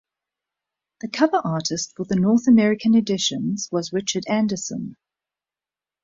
The cover artist for the North American editions was Richard Anderson.